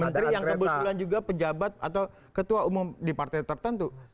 menteri yang kebetulan juga pejabat atau ketua umum di partai tertentu